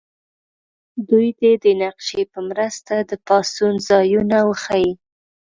دوی دې د نقشې په مرسته د پاڅون ځایونه وښیي.